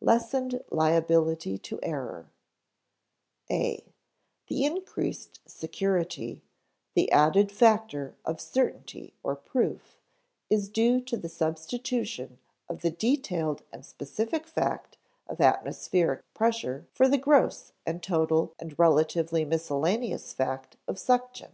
[Sidenote: Lessened liability to error] (a) The increased security, the added factor of certainty or proof, is due to the substitution of the detailed and specific fact of atmospheric pressure for the gross and total and relatively miscellaneous fact of suction.